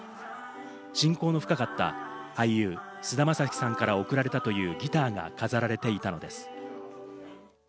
親交の深かった俳優・菅田将暉さんから贈られたというギターが飾られていたのです。